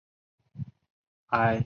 艾贝尔。